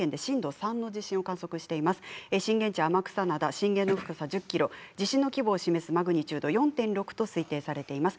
震源地は天草で震源の深さは１０キロ地震の規模を示すマグニチュードは４．６と推定されています。